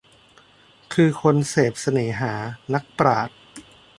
คือคนเสพเสน่หา นักปราชญ์